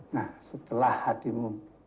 nah setelah hatimu